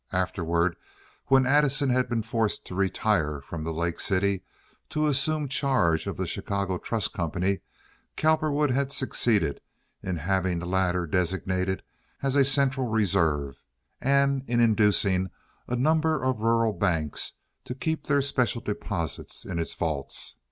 Afterward, when Addison had been forced to retire from the Lake City to assume charge of the Chicago Trust Company, Cowperwood had succeeded in having the latter designated as a central reserve and in inducing a number of rural banks to keep their special deposits in its vaults.